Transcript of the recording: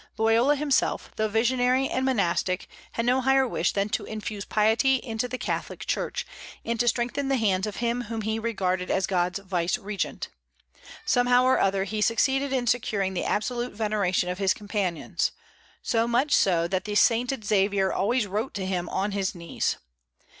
Loyola himself, though visionary and monastic, had no higher wish than to infuse piety into the Catholic Church, and to strengthen the hands of him whom he regarded as God's vicegerent. Somehow or other he succeeded in securing the absolute veneration of his companions, so much so that the sainted Xavier always wrote to him on his knees.